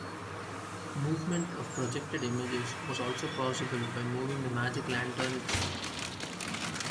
Movement of projected images was also possible by moving the magic lantern itself.